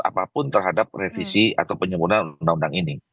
apapun terhadap revisi atau penyempurnaan undang undang ini